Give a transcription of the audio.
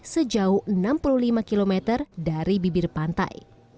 sejauh enam puluh lima km dari bibir pantai